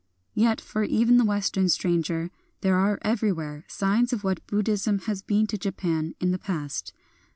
Yet for even the Western stranger there are everywhere signs of what Buddhism has been to Japan in the past.